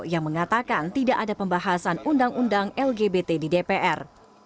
yang mengatakan tidak ada pembahasan undang undang lgbt di dpr